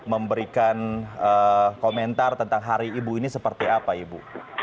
memberikan komentar tentang hari ibu ini seperti apa ibu